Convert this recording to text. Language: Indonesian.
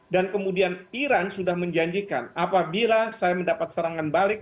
dan kemudian iran sudah menjanjikan apabila saya mendapat serangan balik